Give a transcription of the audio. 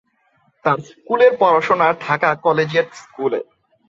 তার স্কুলের পড়াশোনা ঢাকা কলেজিয়েট স্কুলে।